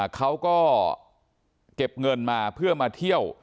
เขาก็เก็บเงินมาเพื่อมาเที่ยว